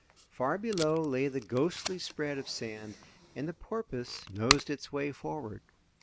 Far below lay the ghostly spread of sand, and the porpoise nosed its way forward.